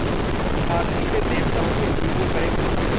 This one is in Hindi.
इस आरती से देवताओं के गुरु को करें प्रसन्न